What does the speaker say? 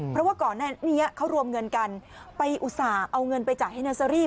เพราะว่าก่อนหน้านี้เขารวมเงินกันไปอุตส่าห์เอาเงินไปจ่ายให้เนอร์เซอรี่